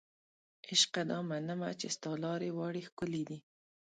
عشقه دا منمه چې ستا لارې واړې ښکلې دي